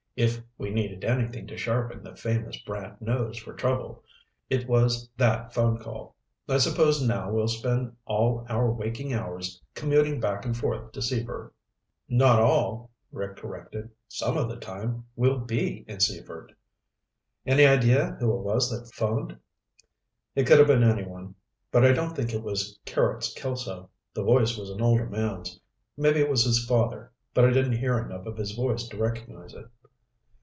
If we needed anything to sharpen the famous Brant nose for trouble, it was that phone call. I suppose now we'll spend all our waking hours commuting back and forth to Seaford." "Not all," Rick corrected. "Some of the time we'll be in Seaford." "Any idea who it was that phoned?" "It could have been anyone. But I don't think it was Carrots Kelso. The voice was an older man's. Maybe it was his father, but I didn't hear enough of his voice to recognize it."